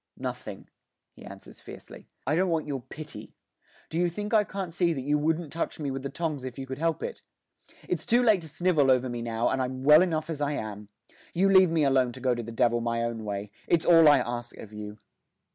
'Nothing,' he answers fiercely; 'I don't want your pity. Do you think I can't see that you wouldn't touch me with the tongs if you could help it? It's too late to snivel over me now, and I'm well enough as I am. You leave me alone to go to the devil my own way; it's all I ask of you.